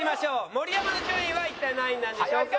盛山の順位は一体何位なんでしょうか？